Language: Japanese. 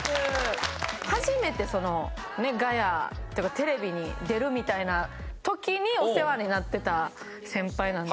初めてそのガヤっていうかテレビに出るみたいな時にお世話になってた先輩なんで。